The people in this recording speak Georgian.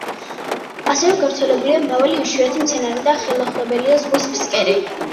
ასევე გავრცელებულია მრავალი იშვიათი მცენარე და ხელუხლებელია ზღვის ფსკერი.